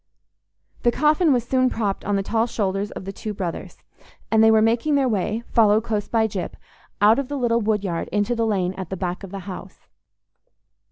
The coffin was soon propped on the tall shoulders of the two brothers, and they were making their way, followed close by Gyp, out of the little woodyard into the lane at the back of the house.